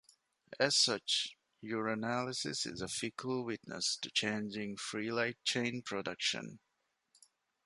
As such, urinalysis is a fickle witness to changing free light chain production.